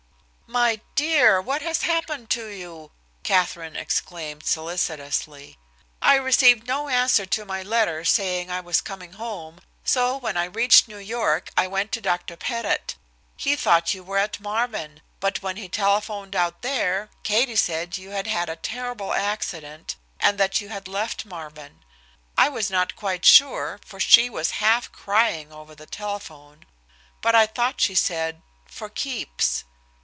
"My dear, what has happened to you?" Katherine exclaimed solicitously. "I received no answer to my letter saying I was coming home, so when I reached New York, I went to Dr. Pettit. He thought you were at Marvin, but when he telephoned out there, Katie said you had had a terrible accident, and that you had left Marvin. I was not quite sure, for she was half crying over the telephone, but I thought she said 'for keeps.'"